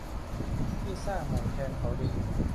ที่สร้างใหม่แทนเขาดิน